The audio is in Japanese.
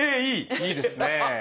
いいですね。